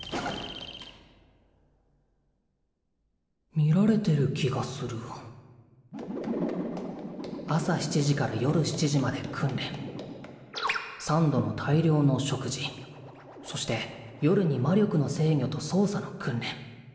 見られてる気がする朝７時から夜７時まで訓練３度の大量の食事そして夜に魔力の制御と操作の訓練